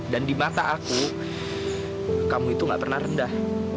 dan di mata aku kamu itu nggak pernah rendah